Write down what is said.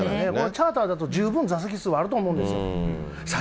チャーターだと十分座席数はあると思うんですよ。